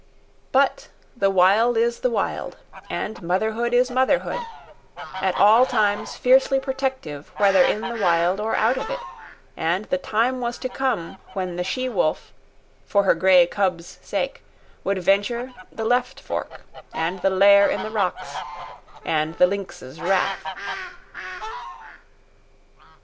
But the Wild is the Wild, and motherhood is motherhood, at all times fiercely protective whether in the Wild or out of it; and the time was to come when the she wolf, for her grey cub's sake, would venture the left fork, and the lair in the rocks, and the lynx's wrath.